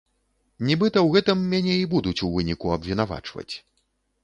Нібыта ў гэтым мяне і будуць у выніку абвінавачваць.